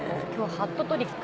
ハットトリック。